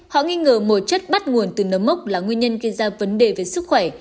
họ nghi ngờ mồi chất bắt nguồn từ nấm mốc là nguyên nhân gây ra vấn đề về sức khỏe